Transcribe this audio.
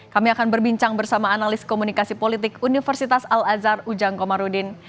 kami akan berbincang bersama analis komunikasi politik universitas al azhar ujang komarudin